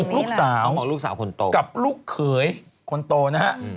ถูกลูกสาวกับลูกเขยคนโตนะฮะ